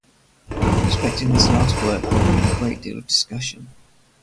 Respecting this last work there has been a great deal of discussion.